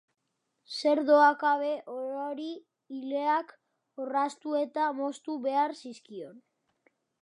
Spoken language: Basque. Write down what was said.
Zer dohakabe orori ileak orraztu eta moztu behar zizkion.